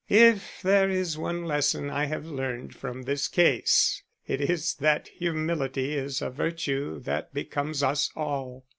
If there is one lesson I have learned from this case, it is that humility is a virtue that becomes us all.